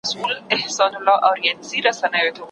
سپین زر بې رنګه نه دي.